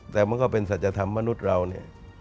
แต่มันก็เป็นสัจธรรมมนุษย์เราเนี่ย